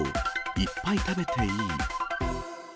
いっぱい食べていい？